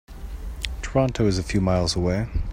Toronto is a few miles away.